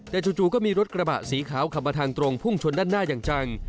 แต่จู่ก็มีรถกระบะสีขาวขับมาทางตรงพุ่งชนด้านหน้าอย่างจัง